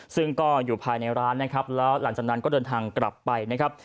ซึ่งก็อยู่ภายในร้านนะครับแล้วหลังจากนั้นก็เดินทางกลับไปนะครับ